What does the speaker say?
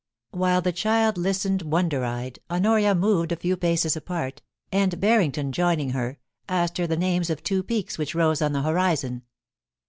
While the child listened wonder eyed, Honoria moved a few paces apart, and Barrington, joining her, asked her the names of two peaks which rose on the horizon.